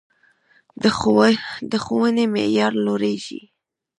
د ښوونې معیار لوړیږي